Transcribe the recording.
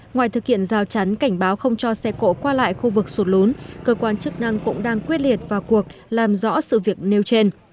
ngoài thực hiện giao chắn cảnh báo không cho xe cộ qua lại khu vực sụt lún cơ quan chức năng cũng đang quyết liệt vào cuộc làm rõ sự việc nêu trên